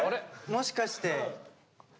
もしかして。